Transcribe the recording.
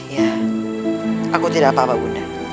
ya aku tidak apa apa bunda